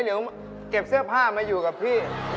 เสื้อผ้ามาอยู่กับพี่